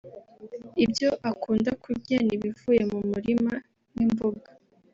Ibyo akunda kurya ni ibivuye mu murima nk’imboga